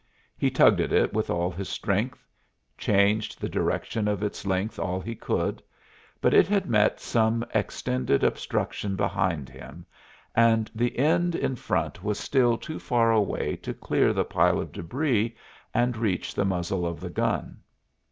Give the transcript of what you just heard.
He tugged at it with all his strength, changed the direction of its length all he could, but it had met some extended obstruction behind him and the end in front was still too far away to clear the pile of débris and reach the muzzle of the gun.